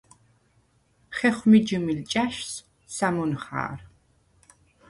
ხეხუ̂მი ჯჷმილ ჭა̈შს სა̈მუნ ხა̄რ.